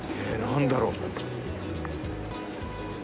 何だろう？